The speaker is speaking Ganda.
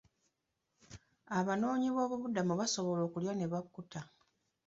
Abanoonyi b'obubudamu baasobola okulya ne bakkuta.